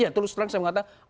terus terang saya mengatakan